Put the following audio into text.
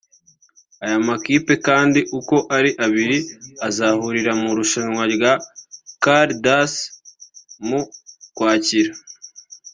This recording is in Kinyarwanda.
Aya makipe kandi uko ari abiri azahurira mu irushanwa rya Carre d’As mu Kwakira